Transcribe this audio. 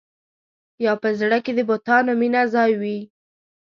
یا په زړه کې د بتانو مینه ځای وي.